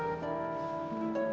ya ma aku ngerti